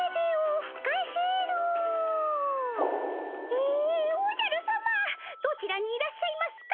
えおじゃるさまどちらにいらっしゃいますか？